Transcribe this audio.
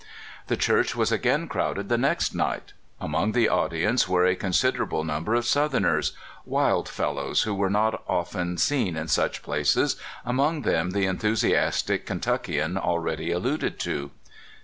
The church was again crowded the next night. Among the audience were a considerable number of Southerners — wild fellows, w^ho were not often seen in such places, among them the en thusiastic Kentuckian already alluded to.